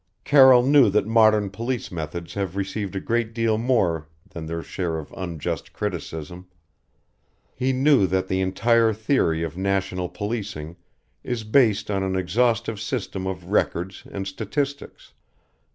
Carroll knew that modern police methods have received a great deal more than their share of unjust criticism. He knew that the entire theory of national policing is based on an exhaustive system of records and statistics.